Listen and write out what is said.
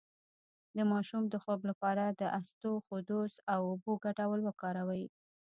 د ماشوم د خوب لپاره د اسطوخودوس او اوبو ګډول وکاروئ